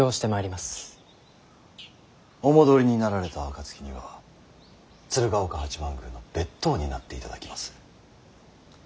お戻りになられた暁には鶴岡八幡宮の別当になっていただきます。